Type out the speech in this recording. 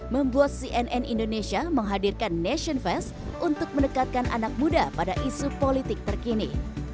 pada tahun dua ribu dua puluh pemilih pemilih indonesia menghadirkan nation fest untuk mendekatkan anak muda pada isu politik terkini